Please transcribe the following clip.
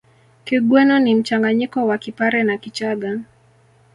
Kigweno ni mchanganyiko wa Kipare na Kichagga